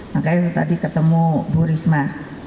makanya tadi ketemu bu risma